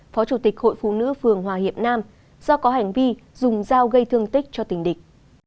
phó chủ tịch hội phụ nữ phường hòa hiệp nam do có hành vi dùng dao gây thương tích cho tình địch